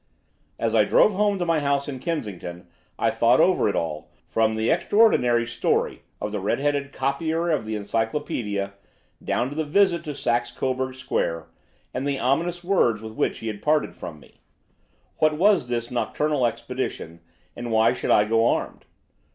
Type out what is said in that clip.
As I drove home to my house in Kensington I thought over it all, from the extraordinary story of the red headed copier of the Encyclopædia down to the visit to Saxe Coburg Square, and the ominous words with which he had parted from me. What was this nocturnal expedition, and why should I go armed?